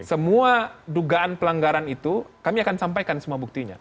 semua dugaan pelanggaran itu kami akan sampaikan semua buktinya